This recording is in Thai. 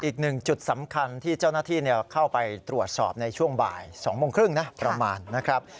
อีกหนึ่งจุดสำคัญที่เจ้าหน้าที่เข้าไปตรวจสอบในช่วงบ่าย๒โมงครึ่งนะประมาณนะครับ